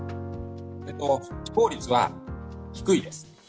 死亡率は低いです。